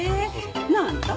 なあ？あんた。